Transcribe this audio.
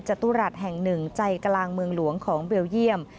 จตุรัสแห่งหนึ่งใจกลางเมืองหลวงของเบลเยี่ยม